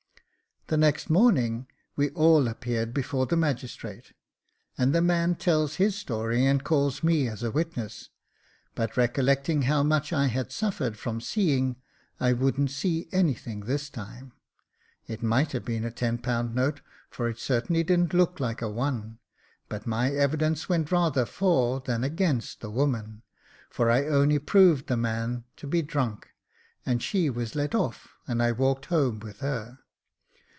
The next morning we all appeared before the magistrate, and the man tells his story, and calls me as a witness ; but recollecting how much I had suffered from seeing, I wouldn't see anything this time. It might have been a ten pound note, for it certainly didn't look like a one ; but my evidence went rather for than against the woman, for I only proved the man to be drunk ; and she was let off, and I walked home with her.